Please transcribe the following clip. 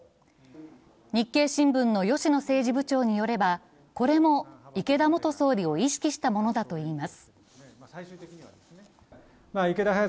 日経新聞の吉野政治部長によれば、これも池田元総理を意識したものだと言います。